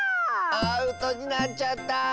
アウトになっちゃった。